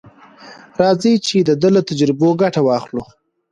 راځئ چې د ده له تجربو ګټه واخلو.